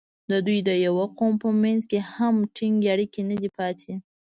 د دوی د یوه قوم په منځ کې هم ټینګ اړیکې نه دي پاتې.